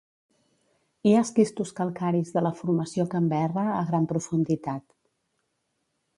Hi ha esquistos calcaris de la formació Canberra a gran profunditat.